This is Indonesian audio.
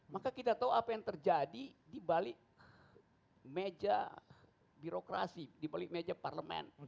maka kita tahu apa yang terjadi di balik meja birokrasi di balik meja parlemen